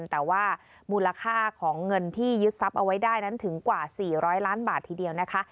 แต่ว่ามูลค่าของเงินที่ยึดทรัพย์เอาไว้ได้นั้นถึงกว่า๔๐๐ล้านบาททีเดียวนะคะ